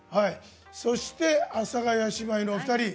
そして阿佐ヶ谷姉妹のお二人。